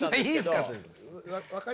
いいんですか。